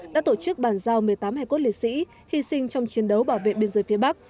đã tổ chức bàn giao một mươi tám hải cốt liệt sĩ hy sinh trong chiến đấu bảo vệ biên giới phía bắc